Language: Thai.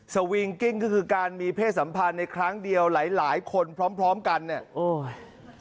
สวิงกิ้งก็คือการมีเพศสัมพันธ์ในครั้งเดียวหลายคนพร้อมกันเนี่ย